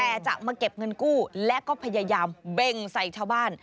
แต่จะมาเก็บเงินกู้และก็พยายามเบ่งใส่ชาวบ้าน